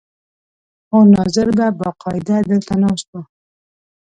خو ناظر به باقاعده دلته ناست و.